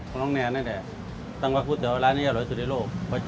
ของน้องแนนเนี่ยแหละตั้งแต่ว่าก๋วยเตี๋ยวร้านนี้อร่อยสุดในโลก